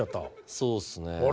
そうっすね。